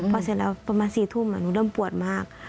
พอเสร็จแล้วประมาณ๔ทุ่มหนูเริ่มปวดมาก